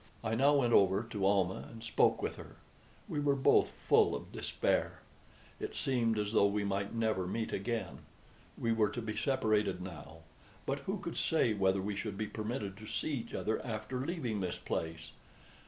I now went over to Almah and spoke with her. We were both full of despair. It seemed as though we might never meet again. We were to be separated now; but who could say whether we should be permitted to see each other after leaving this place?